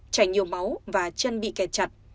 chảy nhiều máu và chân bị kẹt chặt